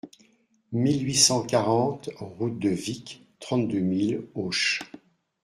mille huit cent quarante route de Vic, trente-deux mille Auch